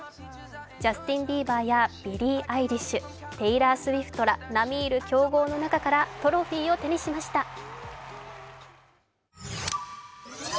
ジャスティン・ビーバーやビリー・アイリッシュ、テイラー・スウィフトら並み居る強豪の中からトロフィーを手にしました。